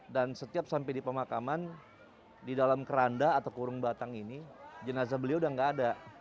dan setiap sampai di pemakaman di dalam keranda atau kurung batang ini jenazah beliau udah nggak ada